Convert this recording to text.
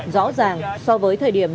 rõ ràng so với thời điểm nhớt